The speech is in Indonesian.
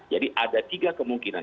jadi ada tiga kemungkinan